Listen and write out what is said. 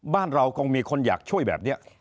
บ้านเราคงมีคนอยากช่วยแบบนี้